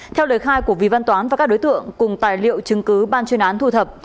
theo lời khai của vì văn toán và các đối tượng cùng tài liệu chứng cứ ban chuyên án thu thập